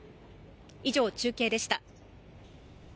以上中継でした。